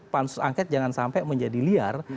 pansus angket jangan sampai menjadi liar